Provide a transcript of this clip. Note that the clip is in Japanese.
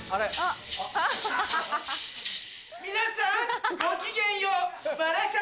皆さんごきげんよう。